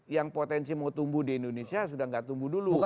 yang potensi mau tumbuh di indonesia sudah tidak tumbuh dulu